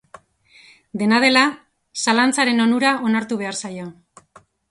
Dena dela, zalantzaren onura onartu behar zaio.